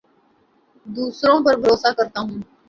دوسروں پر بھروسہ کرتا ہوں